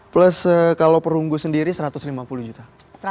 plus kalau perunggu sendiri satu ratus lima puluh juta